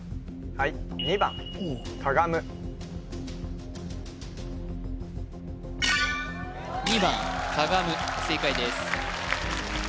はい２番かがむ正解です